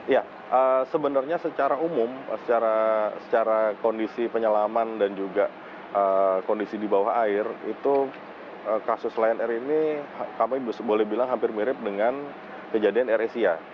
ya sebenarnya secara umum secara kondisi penyelaman dan juga kondisi di bawah air itu kasus lion air ini kami boleh bilang hampir mirip dengan kejadian air asia